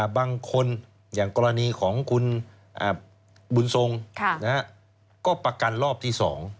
บางคนอย่างกรณีของคุณบุญทรงก็ประกันรอบที่๒